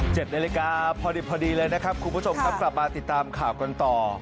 นาฬิกาพอดิบพอดีเลยนะครับคุณผู้ชมครับกลับมาติดตามข่าวกันต่อ